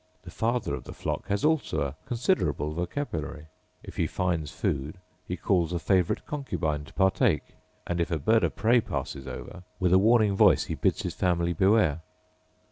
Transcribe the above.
The father of the flock has also a considerable vocabulary; if he finds food, he calls a favourite concubine to partake; and if a bird of prey passes over, with a warning voice he bids his family beware.